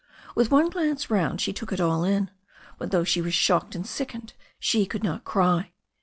With one glance round she took it all in, but though she was shocked and sickened she could not cry.